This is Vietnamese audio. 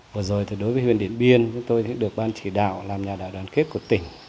vừa rồi đối với huyện điển biên tôi được ban chỉ đạo làm nhà đoàn kết của tỉnh